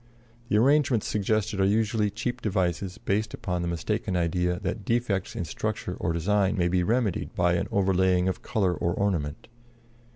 The arrangements suggested are usually cheap devices based upon the mistaken idea that defects in structure or design may be remedied by an overlaying of color or ornament.